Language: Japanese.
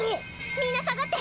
みんな下がって！